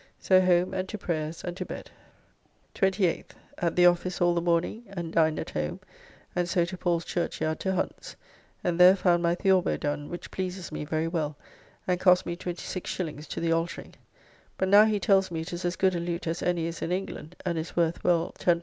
So home and to prayers and to bed. 28th. At the office all the morning, and dined at home, and so to Paul's Churchyard to Hunt's, and there found my Theorbo done, which pleases me very well, and costs me 26s. to the altering. But now he tells me it is as good a lute as any is in England, and is worth well L10.